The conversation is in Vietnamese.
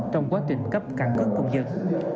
trong quá trình cấp cẳng cấp công dân